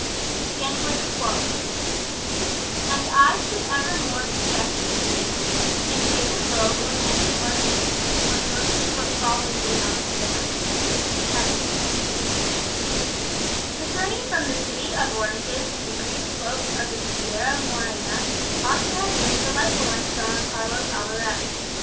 VII. The Desengãno "And I should evermore be vexed with thee In vacant robe, or hanging ornament, Or ghostly foot fall lingering on the stair." Tennyson The journey from the city of oranges to the green slopes of the Sierra Morena ought to have been a delightful one to Don Carlos Alvarez.